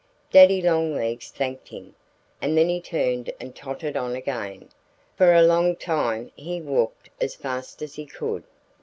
Daddy Longlegs thanked him. And then he turned and tottered on again. For a long time he walked as fast as he could.